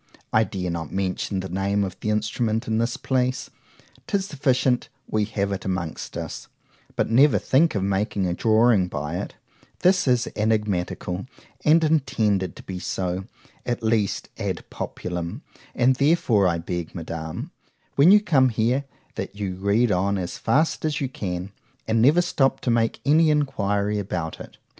—I dare not mention the name of the instrument in this place;—'tis sufficient we have it amongst us,—but never think of making a drawing by it;—this is ænigmatical, and intended to be so, at least ad populum:—And therefore, I beg, Madam, when you come here, that you read on as fast as you can, and never stop to make any inquiry about it.